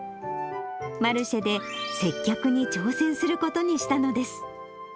マルシェで接客に挑戦することにしたのです。